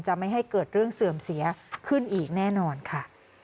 ไม่ให้เกิดเรื่องเสื่อมเสียขึ้นอีกแน่นอนค่ะ